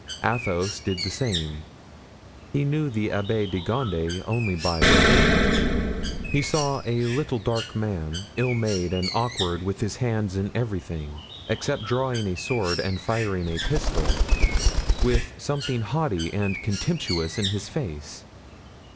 Athos did the same. He knew the Abbé de Gondy only by report. He saw a little dark man, ill made and awkward with his hands in everything—except drawing a sword and firing a pistol—with something haughty and contemptuous in his face.